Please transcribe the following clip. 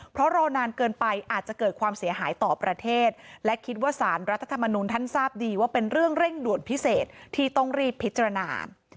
เพราะรอนานเกินไปอาจจะเกิดความเสียหายต่อประเทศและคิดว่าสารรัฐธรรมนุนท่านทราบดีว่าเป็นเรื่องเร่งด่วนพิเศษที่ต้องรีบพิจารณา